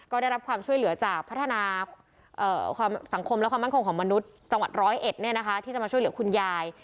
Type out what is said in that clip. ก็ได้รับความช่วยเหลือจากพัฒนาความสังคมและความมั่นคงของมนุษย์จังหวัดร้อยเอ็ดที่จะมาช่วยเหลือคุณยาย